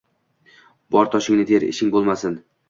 Bor, toshingni ter, ishing bo‘lmasin